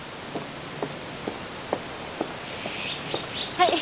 はい。